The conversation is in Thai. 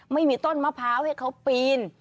ไม่มีต้นมะพร้าวให้เขาปีน